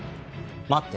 待って。